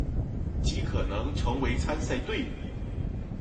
極可能成為參賽隊伍